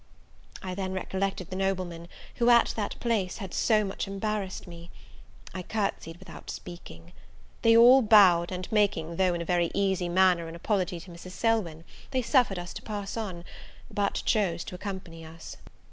I then recollected the nobleman, who, at that place, had so much embarrassed me. I courtsied without speaking. They all bowed, and making, though in a very easy manner, an apology to Mrs. Selwyn, they suffered us to pass on, but chose to accompany us.